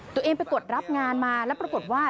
ตัวเองไปกดรับงานมาแล้วปรากฏว่า